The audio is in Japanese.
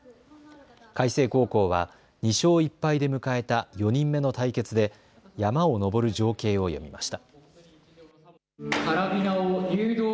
開成高校は２勝１敗で迎えた４人目の対決で山を登る情景を詠みました。